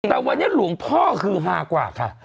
แต่วันนี้หลวงพ่อคือฮากว่าค่ะ